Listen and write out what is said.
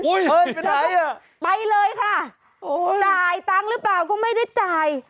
อุ๊ยไปไหนอ่ะเฮ่ยไปเลยค่ะจ่ายตังค์หรือเปล่าก็ไม่ได้จ่าย